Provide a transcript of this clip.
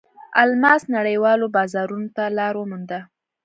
الماس نړیوالو بازارونو ته لار ومونده.